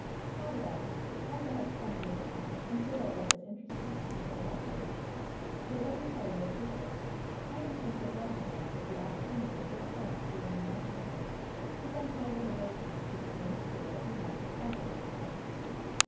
"Not at all. I shall have plenty of time, and little that is interestiiig to fill it up with. For let me tell you a secret. I intend to avail myself of the opportunity of your parents being in Washington to send my little Rose mary to the same school that Wynnette and Elva will attend."